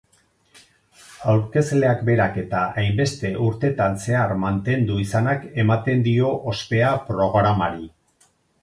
Aurkezleak berak eta hainbeste urtetan zehar mantendu izanak ematen dio ospea programari.